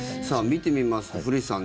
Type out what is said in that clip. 見てみますと古市さん